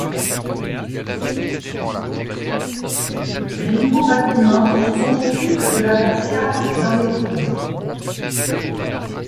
Des nouveaux bâtiments sont construits près de l'abbatiale et dans les cours.